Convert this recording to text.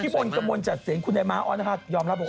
พี่มนต์กระมวลจากเสียงคุณใดม้าอ้อนนะคะยอมรับบอก